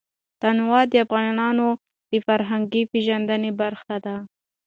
تنوع د افغانانو د فرهنګي پیژندنې برخه ده.